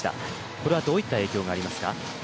これはどういった影響がありますか？